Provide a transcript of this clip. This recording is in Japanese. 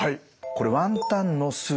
これワンタンのスープ。